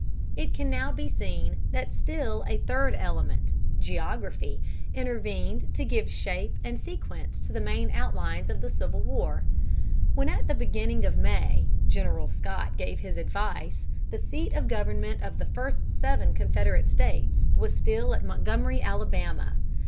It can now be seen that still a third element geography intervened to give shape and sequence to the main outlines of the Civil War. When, at the beginning of May, General Scott gave his advice, the seat of government of the first seven Confederate States was still at Montgomery, Alabama.